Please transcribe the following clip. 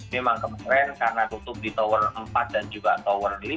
memang kemarin karena tutup di tower empat dan juga tower lima